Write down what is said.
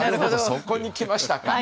そこに来ましたか。